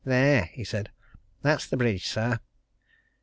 "There!" he said. "That's the bridge, sir."